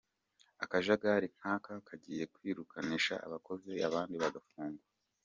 Akajagari nkaka kagiye kirukanisha abakozi abandi bagafungwa.